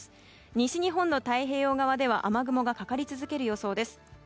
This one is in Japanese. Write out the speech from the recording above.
西日本の太平洋側では雨雲がかかり続ける予想です。